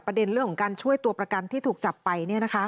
เรื่องของการช่วยตัวประกันที่ถูกจับไป